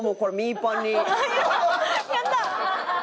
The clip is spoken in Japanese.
やった！